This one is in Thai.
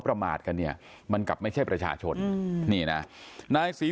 ประมาทกันเนี่ยมันกลับไม่ใช่ประชาชนนี่นะนายศรี